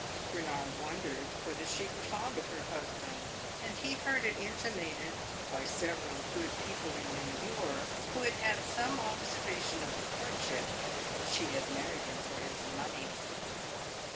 Bernard wondered whether she were fond of her husband, and he heard it intimated by several good people in New York who had had some observation of the courtship, that she had married him for his money.